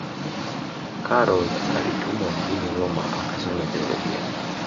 karol alitumwa mjini roma akasome teolojia